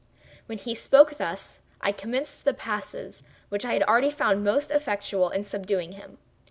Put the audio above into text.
While he spoke thus, I commenced the passes which I had already found most effectual in subduing him.